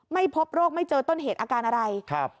ไม่พบโรคไม่เจอต้นเหตุอาการอะไรครับ